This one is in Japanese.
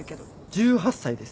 １８歳です。